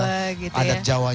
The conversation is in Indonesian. adat jawanya kental sekali